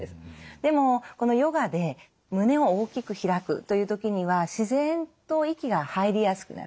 でもこのヨガで胸を大きく開くという時には自然と息が入りやすくなる。